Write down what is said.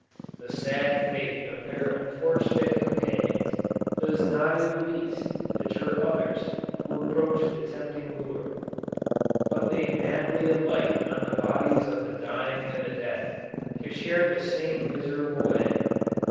The sad fate of their unfortunate companions, does not in the least, deter others who approach the tempting lure: but they madly alight on the bodies of the dying and the dead, to share the same miserable end!